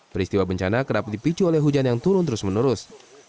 peristiwa bencana kerap dipicu oleh hujan yang turun terus menerus